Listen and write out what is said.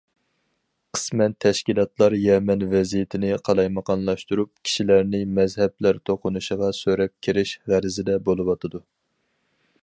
قىسمەن تەشكىلاتلار يەمەن ۋەزىيىتىنى قالايمىقانلاشتۇرۇپ، كىشىلەرنى مەزھەپلەر توقۇنۇشىغا سۆرەپ كىرىش غەرىزىدە بولۇۋاتىدۇ.